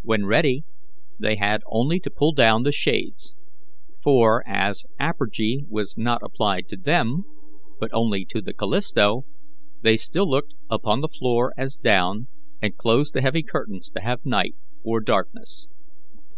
When ready, they had only to pull down the shades; for, as apergy was not applied to them, but only to the Callisto, they still looked upon the floor as down, and closed the heavy curtains to have night or darkness.